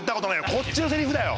こっちのセリフだよ！